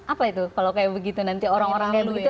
apa itu kalau kayak begitu nanti orang orang elu gitu